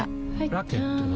ラケットは？